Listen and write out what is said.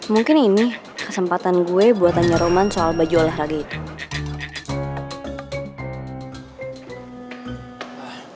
mungkin ini kesempatan gue buatannya roman soal baju olahraga itu